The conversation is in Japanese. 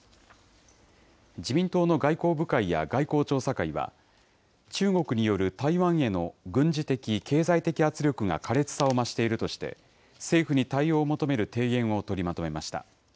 自民党の外交部会や外交調査会は、中国による台湾への軍事的・経済的圧力が苛烈さを増しているとして、政府に対応を求める提言を取りまとめました。